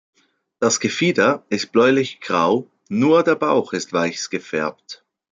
Das Gefieder ist bläulichgrau, nur der Bauch ist weiß gefärbt.